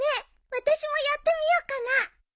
私もやってみようかな。